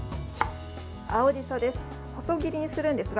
青じそです。